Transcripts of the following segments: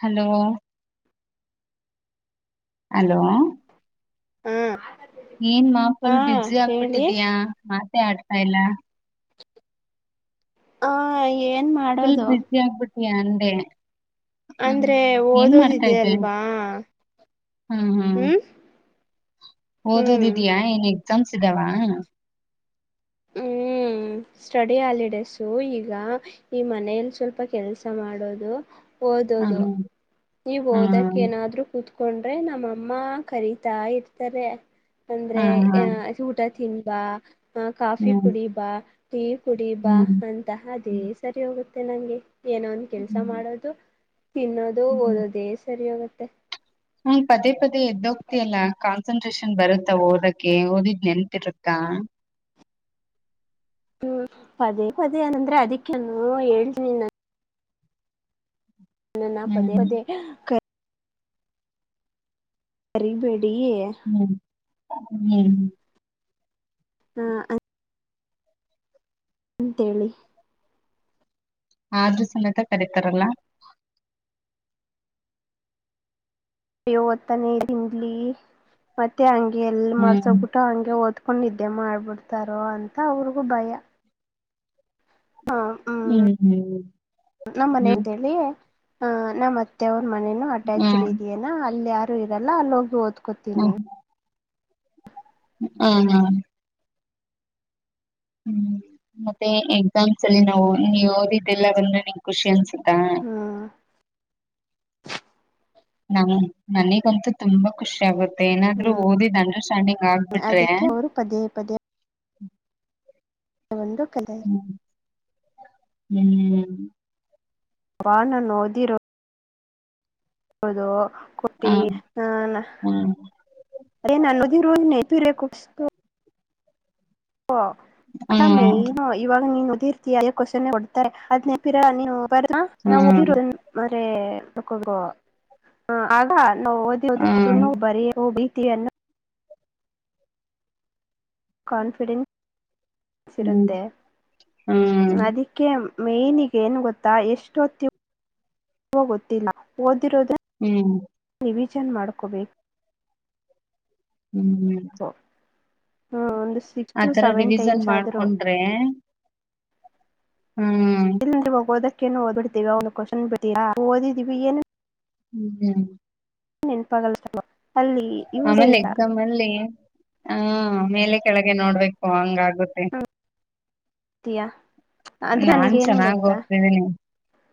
Hello hello ಏನ್ ಮಾ ಹಾ ಫುಲ್ ಬುಸಿ ಹೇಳಿ ಆಗ್ಬಿಟ್ಟಿದಯಾ? ಅಟಕಾಯಲ್ಲ. ಹ ಏನ್ ಮಾಡೋದು? ಅಂತೇ ಅಂದ್ರೆ ಓದೋದಿದೆ ಇದ್ದೆ ಅಲ್ವಾ ಹ್ಮ್ ಹಓದ ಹ್ಮ್ ದಿದ್ಯಾಾ ಏನ್ ಎಕ್ಸಾಮ್ಸ್ ಇದ್ದಾವ ಹ್ಮ್ ಸ್ಟಡಿ ಹಾಲಿಡೇಸು ಈಗ ಈ ಮನೆಯಲ್ಲಿ ಸ್ವಲ್ಪ ಕೆಲ್ಸ ಮಾಡೋದು ಒದದು ಹ್ಮ್ ನೀವ ಓದಕ್ ಹ್ಮ್ ಏನಾದ್ರು ಕೂತ್ಕೊಂಡ್ರೆ ನಮ್ಮಮ್ಮ ಕರೀತಾ ಇರ್ತಾರೆ ಅಂದ್ರೆ ಹ್ಮ್ ಆ ಊಟ ಂಬ ಹಾ ಕಾಫಿ ಹ್ಮ್ ಕುಡಿಬಾ ಕುಡಿ ಬಾ ಹ್ಮ್ ಅಂತಹ ಅದೇ ಹ್ಮ್ ಸರಿ ಹೋಗುತ್ತೆ ತನಗೆ ಏನೋ ಒಂದು ಕೆಲಸ ಹ್ಮ್ ಮಾಡೋದು ತಿನ್ನೋದು ಒ ದೇಶ ಸರಿ ಆಗುತ್ತೆ ಹ್ಮ ಪದೇ ಪದೇ ಎದ್ದೋಗ್ತಿಯಲ್ಲಾ ಕಾನ್ಸನ್ಟ್ರೇಷನ್ ಬರುತ್ತ ಓದಕ್ಕೆ ಓದಿದ್ ನೆನ್ಪ್ ಇರುತಾ. ಹ್ಮ್ ಪದೇ ಪದೇ ಏನಂದ್ರೆ ಅದಕ್ಕನು ಹೇಳ್ತನಿ ನ ನ ಪದೇ ಹ್ಮ್ ಪದ ಸರಿ ಬೇ ಅ ಹ್ಮ್ ಹ್ಮ್ ಹಾ ಅಂತೇಳಿ ಆದ್ರೂ ಸಮೇತ ಕರತಾರಲ್ಲ. ವತ್ತನೇ ತಿಂಡ್ಲಿ ಮತ್ತೆ ಎಲ್ಲಿ ಹ್ಮ್ ಮಾಡ್ಸ್ಬಿಟ್ಟ ಹಂಗೆ ಒದ್ ಕ್ಕೊಂಡ ನಿದ್ದೆ ಮಾಡ್ಬಿಡ್ತಾರೋ ಅಂತ ಅವ್ರಿಗೂ ಭಯ. ಹ್ಮ್ ಹ್ಮ್ ನಮ್ಮ್ ಮನೆ ಹ್ಮ್ ಅಂತೇಳಿ ಹ ನಾ್ ಅತ್ತೆ ಮನನು ಅಟ್ಯಾಚ್ಡ್ ಹ್ಮ್ ಇದೆಯನ ಅಲ್ಲಿ. ಇದೆಲ್ಲಲ್ಲಿ ಹೋಗಿ ಒದ್ ಹ್ಮ್ ಕೊತೀನಿ. ಹಾ ಹ ಹ್ಮ್ ಮತ್ತೆ ಎಕ್ಸಾಮ್ಸ್ ಅಲ್ಲಿ ನಾವು ನೀ ಓದಿದ್ದೆಲ್ಲ ಬಂದ್ರ ನಿನ್ ಖುಷಿ ಅನ್ಸು ಹ ಹ್ಮ್ ನಮ ನನಿಗಂತೂ ತುಂಬಾ ಖುಷಿ ಆಗುತ್ತೆ ಮತ್ತ ಏನಾದ್ರು ಓದಿದ್ ಅಂಡರ್ಸ್ಟ್ಯಾಂಡಿಂಗ್ ಆಗ್ಬಿಟ್ರೆ. ಅದಕ್ಕೆ ಅವರು ಪದೇ ಪದೇ ಹ್ಮ ಒಂದು ಕಲೆ ಹ್ಮ್ ಅವ ನ ನೋದಿರೋ ಅದು ಹ ಕೊಟ್ಟಿ ಹ ಹ್ಮ್ ಅದೇ ನನ್ನಿ ತಿರೆ ಕುೂಸ್ ಅಟಾಮೇ ಇವಾಗ ನೀನು ಓಧಿರ್ತಿಯ ಅದೇ ಕ್ವೆಶ್ಚನ್ ಕೊಡ್ತಾರೆ ಅದ ನೆನ್ಪ್ ಇರಲ್ಲ ನಾವು ಹ್ಮ್ ಓದಿರೋ ಮ್ರೆ ಹ ಆಾರ್ ನಾವು ಓದಿಓದು ಕು ಹ್ಮ್ ನವು ಬರೀ ಹೋಗಬಿ ಿಯನ್ನು ಕಾನ್ಫಿಡೆನ್ಸ್ ಹ್ಮ್ ಇರುತ್ತೆ ಹ್ಮ್ ಹ್ಮ್ ಅದಕ್ಕೆ ಮೇ್ನಿಗೆ ಏನ್ ಗೊತ್ತಾ ಎಷ್ಟೊತ್ತ ಗೊತ್ತಿಲ್ಲ ಓದಿರೋದು [unintelligible] ಹ್ಮ್ ರಿವಿಷನ್ ಮಾಡ್ಕೋಬೇಕು ಹ್ಮ್ ಒಂದು ಸಿಕ್ಸ್ ಟು ಆತರ ಸೆವೆನ್ ರಿವಿಸನ್ ಟೈಮ್ಸ್ ಆದ್ರೂ ಮಾಡ್ಕೊಂಡ್ರೆ ಹ್ಮ್ ಇಲ್ಲಿಂ ಹೋಗೋದ [unintelligible] ಓದ್ಿಡ್ತೀವಿ ಅವ್ ಕ್ವನ್ ಬಿಾ ಓದಿದಿವವಿ ಏನು [unintelligible] ಹ್ಮ್ ಹ್ಮ್ ನ್ ನನ್ಪಾಗಲ್ ಸಮ [unintelligible] ಆಮೇಲೆ ಎಕ್ಸಾಮ್ ಅಲ್ಲಿ ಆ ಆಮೇಲೆ ಕೆಳಗೆ ನೋಡ್ಬೇಕು ಹಂಗಾಗುತ್ತೆ ತಿಯ ನಾನ್ ಚೆನ್ನಾಗ್ ಓದ್ತಿದ್ದೀನಿ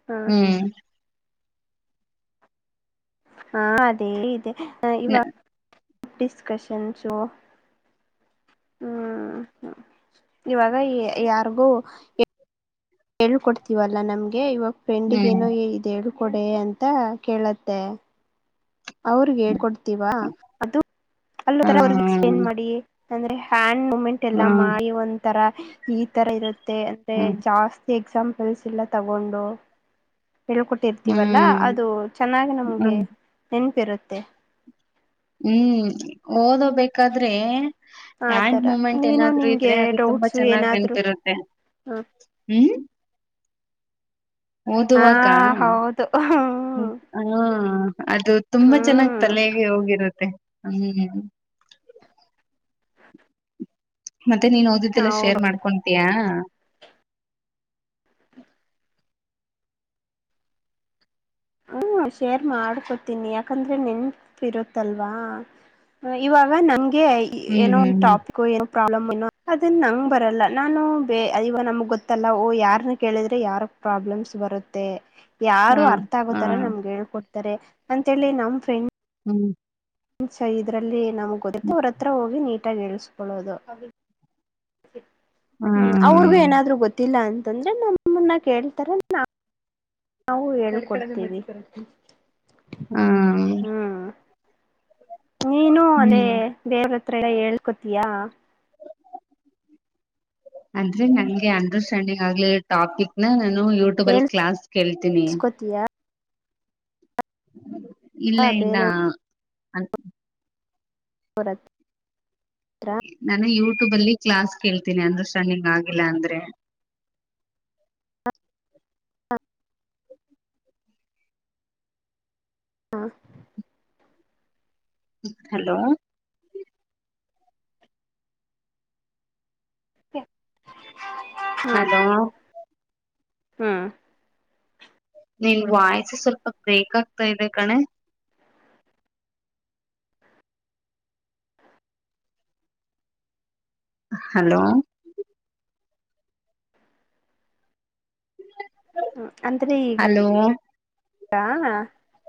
ಹ ಹ್ಮ್ ಹಾ ಅದೇ ಇದೆ ಹ ಇವ ನ ಗಪ್ ಡಿಸ್ಕಷನ್ ಚ [unintelligible] ಹ್ಮ್ ಇವಾಗ ಯಾರಿಗೂ ಹೇಳ್ಕೊಡ್ತೀವಲ್ಲಾ ನಮ್ಗೆ ಇವಾಗ ೆಂಡಿಗ ಹ್ಮ್ ಏನೋ ಇದ ಹೇಳು ಕೊಡಿ ಅಂತ ಕೇಳತ್ತೆ ಅವ್ರಿಗೆ ಹೇಳ್ಕೊಡ್ತೀವಾ ಅದು ಅ ಹಾ ತರ ಅವ್ರ ಎಕ್ಸ್ಪ್ಲೇನ್ ಮಾಡಿ ಅಂದ್ರೆ ಹ್ಯಾಂಡ್ ಮೆಂಟ್ ಎಲ್ಲ ಹಾ ಮಾಡಿ ಒಂದ್ [unintelligible] ತರ ಈ ತರ ಇರುತ್ತ [unintelligible] ಅಂದ್ರೆ ಹ್ಮ ಜಾಸ್ತಿ ಎಕ್ಸಾಂಪಲ್ಸ್ ಎಲ್ಲ ತಗೊಂಡು ಹೇಳ್ಕೊಟ್ಟಿರ್ತೀವಲ್ಲಾ ಹ್ಮ್ ಅದು ಚೆನ್ನಾಗಿ ನಮ್ಗೆ ಹ್ಮ್ ನೆನಪಿರುತ್ತೆ ತ್ತೆ ಹ್ಮ್ ಓದೋದ್ ಬೇಕಾದ್ರೆ ಹಂಡ್ ಆತರ ಮೂಮೆಂಟ್ ನೀನು ಏನಾದ್ರು ಇದ್ರೆ ನಿಂಗೆ ಅದು ತುಂಬಾ ಡೌಟ್ಸು ಚೆನ್ನಾಗ್ ಏನಾದ್ರು ನಂತಿರುತ್ತೆ ಹ್ಮ ಹ್ಮ ಹಾ ಓದುವಕ್ಕ ಹಾ ಹೌದು ಹ್ಮ್ ಅದು ತುಂಬಾ ಚೆನ್ನಾಗ್ ಹ್ಮ್ ತಲೆಗೆ ಹೋಗಿರುತ್ತೆ ಹ್ಮ ಮತ್ತೆ ನೀನ್ ಓದಿದ್ದೆಲ್ಲ ಹೌದು ಶೇರ್ ಮಾಡ್ಕೊತೀಯಾ ಹ್ಮ ಶೇರ್ ಮಾಡ್ಕೊತೀನಿ ಯಾಕಂದ್ರೆ ನೆನ್ಪಿ ಇರುತ್ತಲ್ವಾ ಇವಾಗ ನಂಗೆ ಹ್ಮ್ ಏನೋ ಒಂದು ಹ್ಮ್ ಟಾಫಿಕ್ ಏನೋ ಪ್ರಾಬ್ಲಮ್ ಏನೋ ಅದನ್ನ ನಂಗೆ ಬರಲ್ಲ ನಾನು ಬೇ ಐವ ನಮ್ಗ್ ಗೊತ್ತಲ್ಲಹೊ ಯಾರ್ನ್ನ ಕೇಳಿದ್ರೆ ಯಾರ ಪ್ರಾಬ್ಲಮ್ಸ್ ಬರುತ್ತೆ ಹ್ಮ್ ಹ ಯಾರು ಅರ್ಥ್ ಹ ಆಗರ ನಮಗೆ ಹೇಳ್ಕೊಡ್ ಅಂತೇಳಿ ನಮ್ ಫ್ರೆಂಡ್ ಹ್ಮ್ ಚ ಇದ್ರಲ್ಲಿ ನಮ್ ಗೊತ್ತ ಅವ್ರ ಹತ್ರ ಹೋಗಿ ನೀಟ್ ತಗೆಳುಸ್ಕೊಳೋಧು ಹ್ಮ್ ಅವ್ರಿಗೂ ಏನಾದ್ರು ಗೊತ್ತಿಲ್ಲ ಅಂದ್ ಅಂದ್ರೆ ನಮ್ಮಮ್ಮನ್ನ ಕೇಳ್ತಾರ ನಾ ನಾವು ಹೇಳಿಕೊಡ್ತೀವಿ ಹ್ಮ ನೀನು ಅದೇ ದೇವ ಎಲ್ಲ ಹೇಳ್ಕೋತಿಯ ಅಂದ್ರೆ ನಂಗೆ ಅಂಡರ್ಸ್ಟ್ಯಾಂಡಿಂಗ್ ಆಗ್ಲಿ ಟಾಪಿಕ್ ನ ನಾನು ಯೂಟ್ಯೂಬ್ ಹೇಳ್ ಅಲ್ಲಿ ಕ್ಲಾಸ್ ಕೇಳ್ತೀನಿ ಇಸ್ಕೋತೀಯಾ [inaudible] ಇಲ್ಲ ಇಲ್ಲ ಬೇರೆ ಅ ರತ್ ನಾನು ಯೂಟ್ಯೂಬ್ ಅಲ್ಲಿ ಕ್ಲಾಸ್ ಕೇಳ್ತೀನಿ ಅಂದರ್ಸ್ಟ್ಯಾಂಡಿಂಗ್ ಆಗಿಲ್ಲ ಅಂದ್ರೆ ಹಾ ಹಲೋ ಹ ಹಲೋ ಹ್ಮ ನಿನ್ ವಾಯ್ಸ ಸ್ವಲ್ಪ ಬ್ರೇಕ್ ಆಗ್ತಾ ಇದೆ ಕಣೆ ಹಲೋ ಹ ಅಂದ್ರೆ ಈಗ ಹಾ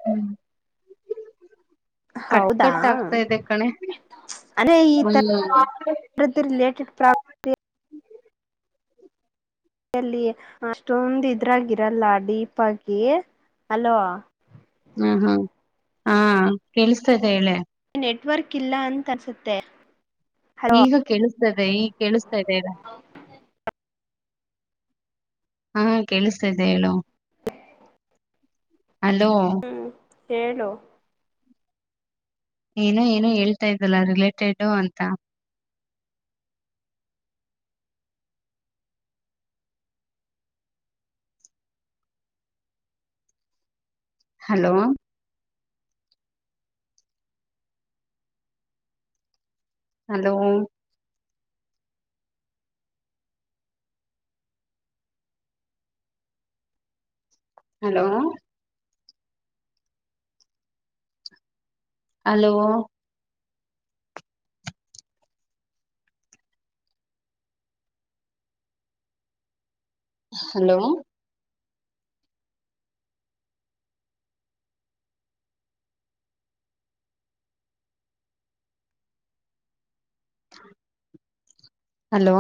ಹ್ಮ್ ಹೌದಾ ಅೇ ಈ ಹ್ಮ್ ತರ್ದ ರಿಲೇಟೆಡ್ ಪ್ರಬ್ ಹ್ಮ ಲ್ಲಿ ಅಷ್ಟೊಂದು ಇದ್ರಾಗಿರಲ್ಲ ಡೀಪ್ ಆಗಿ ಅಲೋ ಹ್ಮ ಹ್ಮ ಹಾ ಕೇಳಸ್ತಾ ಇದ್ದ ಹೇಳೆ ನೆಟ್ವರ್ಕ್ ಇಲ್ಲ ಅಂತ ಅನಿಸುತ್ತೆ ಈಗ ಕೇಳಿಸ್ತದೆ ಈ ಕೇಳಿಸ್ತಾ ಇದೆಗ ಹಾ ಕೇಳಿಸ್ತ್ದ ಹೇಳು ಅಲೋ ಏಳು ಏನೋ ಏನೋ ಹೇಳ್ತಾ ಇದ್ದಲ್ಲ ರಿಲೇಟೆಡ್ ಅಂತ hello hello hello hello hello hello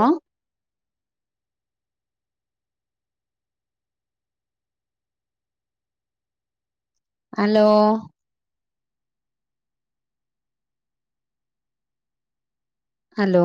hello hello